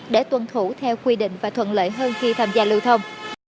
để tuân thủ theo quy định và thuận lợi hơn khi tham gia lưu thông